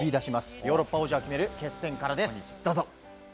ヨーロッパ王者を決める試合です。